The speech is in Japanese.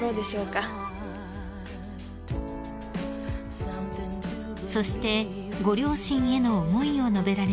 ［そしてご両親への思いを述べられました］